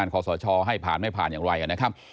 ก็ไหวนะครับ